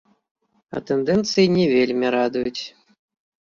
А тэндэнцыі не вельмі радуюць.